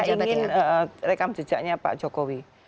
saya ingin rekam jejaknya pak jokowi